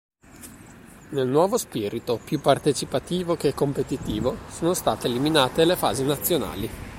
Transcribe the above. Nel nuovo spirito più partecipativo che competitivo, sono state eliminate le fasi nazionali.